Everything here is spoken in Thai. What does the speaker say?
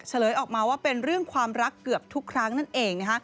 เลออกมาว่าเป็นเรื่องความรักเกือบทุกครั้งนั่นเอง